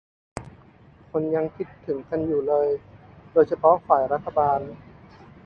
คนยังคิดถึงกันอยู่เลยโดยเฉพาะฝ่ายรัฐบาล